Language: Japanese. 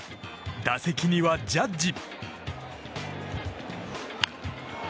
打席にはジャッジ。